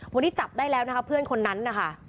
วันนี้จับได้แล้วนะคะเพื่อนคนนั้นนะคะ